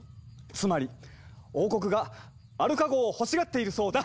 つまり王国がアルカ号を欲しがっているそうだ！